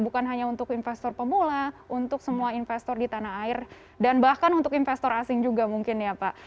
bukan hanya untuk investor pemula untuk semua investor di tanah air dan bahkan untuk investor asing juga mungkin ya pak